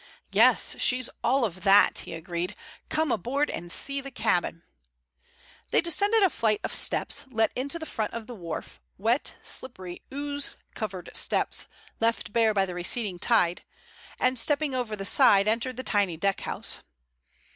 "Yes, she's all of that," he agreed. "Come aboard and see the cabin." They descended a flight of steps let into the front of the wharf, wet, slippery, ooze covered steps left bare by the receding tide, and stepping over the side entered the tiny deckhouse.